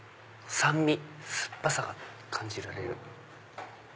酸味酸っぱさが感じられる。